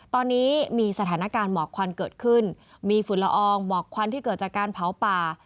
ตอนนี้มีสถานการณ์หมอกควันเกิดขึ้นมีฝุ่นละอองหมอกควันที่เกิดจากการเผาป่า